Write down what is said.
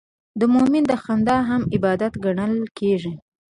د مؤمن خندا هم عبادت ګڼل کېږي.